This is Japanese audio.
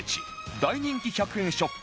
大人気１００円ショップ